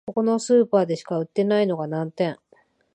ここのスーパーでしか売ってないのが難点